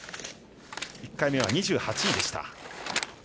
１回目は２８位でした。